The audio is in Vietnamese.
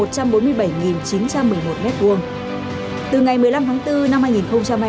từ ngày một mươi năm tháng bốn năm hai nghìn hai mươi hai quyết định số ba về tiêu chuẩn định mức nhà ở công vụ với nhiều quy định mới